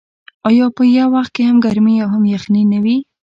آیا په یو وخت کې هم ګرمي او هم یخني نه وي؟